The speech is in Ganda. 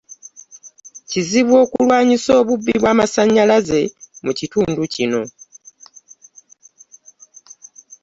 Kizibu okulwanisa obubbi bw'amasannyalaze mu kitundu kino.